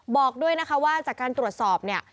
บอกด้วยนะคะว่าจากการตรวจสอบเนี่ย